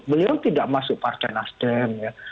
beliau tidak masuk partai nasdem ya